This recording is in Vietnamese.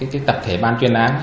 cái tập thể ban chuyên án